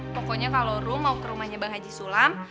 pokoknya kalo rum mau ke rumahnya bang haji sulam